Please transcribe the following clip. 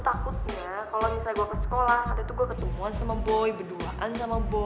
takutnya kalau misalnya gue ke sekolah itu gue ketemuan sama boy berduaan sama bo